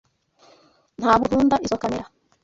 Ntabwo nkunda izoi kamera.